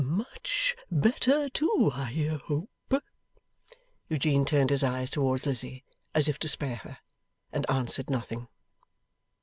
'Much better too, I hope?' Eugene turned his eyes towards Lizzie, as if to spare her, and answered nothing.